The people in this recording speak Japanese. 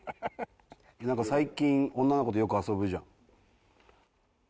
なんか最近女の子とよく遊ぶじゃん。